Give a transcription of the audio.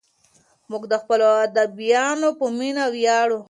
موږ د خپلو ادیبانو په مینه ویاړو.